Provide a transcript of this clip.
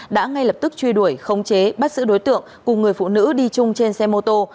đã ngay lập tức truy đuổi khống chế bắt giữ đối tượng cùng người phụ nữ đi chung trên xe mô tô